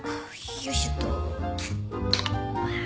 よいしょっと。